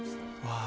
ああ